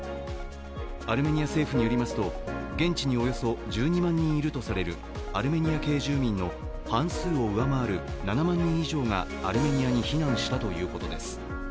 アルメニア政府によりますと現地におよそ１２万人いるとされるアルメニア系住民の半数を上回る７万人以上がアルメニアに避難したということです。